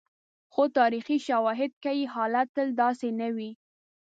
خو تاریخي شواهد ښيي، حالت تل داسې نه وي.